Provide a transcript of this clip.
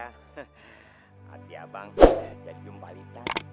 hati hati abang jangan jumpa alita